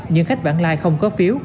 nhưng khách bản lai không có phiếu